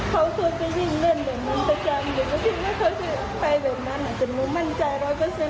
แม่แม่หนูมากับเต้นให้สามจาแหละตรงนี้